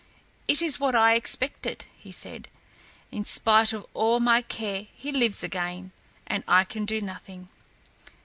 "It is what I expected," he said; "in spite of all my care he lives again, and I can do nothing."